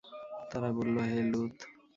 তারা বলল, হে লূত!